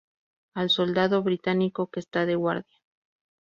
Al soldado británico que está de guardia.